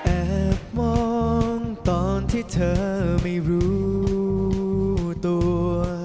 แอบมองตอนที่เธอไม่รู้ตัว